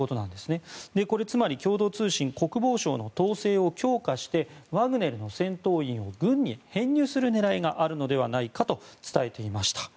これはつまり共同通信国防省の統制を強化してワグネルの戦闘員を軍に編入する狙いがあるのではないかと伝えていました。